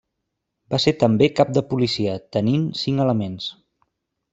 Va ser també Cap de Policia, tenint cinc elements.